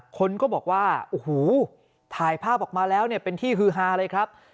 คนก็บอกว่าโอ้โหถ่ายภาพออกมาแล้วเนี่ยเป็นที่ฮือฮาเลยครับ